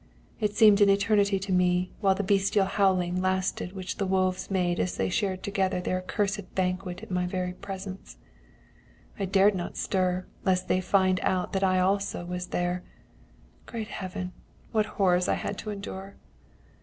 It seemed an eternity to me while the bestial howling lasted which the wolves made as they shared together their accursed banquet in my very presence. "I dared not stir, lest they might find out that I also was there. Great Heaven! What horrors I had to endure!